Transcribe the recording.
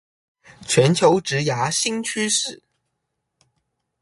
全球職涯新趨勢